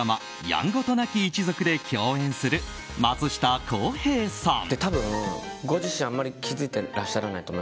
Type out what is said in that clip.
「やんごとなき一族」で共演する、松下洸平さん。